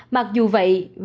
mặc dù vậy với